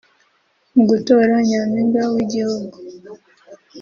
Mu gutora Nyampinga w’igihugu